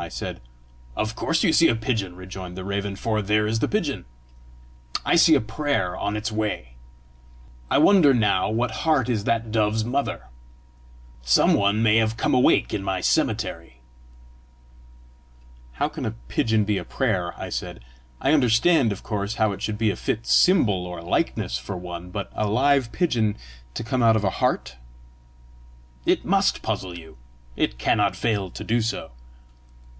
I said. "Of course you see a pigeon," rejoined the raven, "for there is the pigeon! I see a prayer on its way. I wonder now what heart is that dove's mother! Some one may have come awake in my cemetery!" "How can a pigeon be a prayer?" I said. "I understand, of course, how it should be a fit symbol or likeness for one; but a live pigeon to come out of a heart!" "It MUST puzzle you! It cannot fail to do so!"